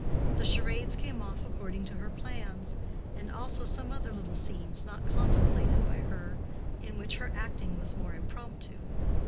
The charades came off according to her plans; and also some other little scenes not contemplated by her in which her acting was more impromptu.